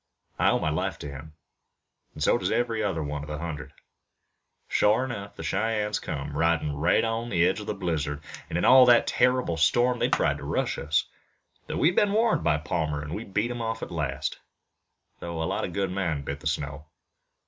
I owe my life to him, an' so does every other one of the hundred. Shore enough the Cheyennes come, ridin' right on the edge of the blizzard, an' in all that terrible storm they tried to rush us. But we'd been warned by Palmer an' we beat 'em off at last, though a lot of good men bit the snow.